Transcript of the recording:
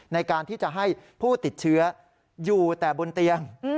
ในการที่จะให้ผู้ติดเชื้ออยู่แต่บนเตียง